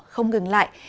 không ngừng lại